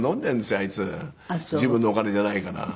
あいつ自分のお金じゃないから。